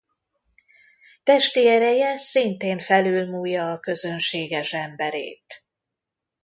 Testi ereje szintén felülmúlja a közönséges emberét.